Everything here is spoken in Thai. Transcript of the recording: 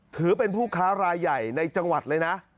ถือเป็นผู้ค้ารายใหญ่ในจังหวัดเลยนะ